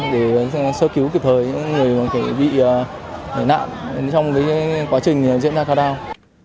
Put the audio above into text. để sơ cứu kịp thời những người bị nạn trong quá trình diễn ra cao đao